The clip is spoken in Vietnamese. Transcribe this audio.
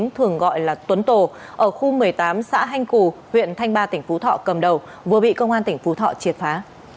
thường gọi là tuấn tổ ở khu một mươi tám xã hanh cù huyện thanh ba tỉnh phú thọ cầm đầu vừa bị công an tỉnh phú thọ triệt phá